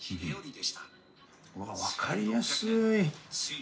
うわあ、分かりやすい。